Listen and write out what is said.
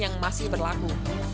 yang masih berlaku